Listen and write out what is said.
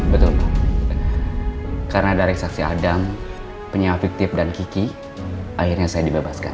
betul karena dari saksi adam punya fiktif dan kiki akhirnya saya dibebaskan